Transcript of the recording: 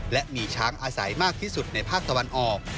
และมีช้างอาศัยมากที่สุดในภาคตะวันออก